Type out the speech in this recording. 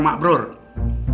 kalau dihitung tuh cuma sekali